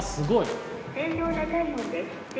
正常な体温です」。